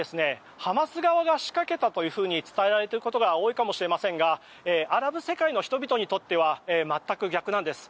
ハマス側が仕掛けたというふうに伝えていることが多いかもしれませんがアラブ世界の人々にとっては全く逆なんです。